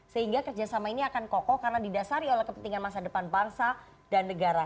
sehingga kerjasama ini akan kokoh karena didasari oleh kepentingan masa depan bangsa dan negara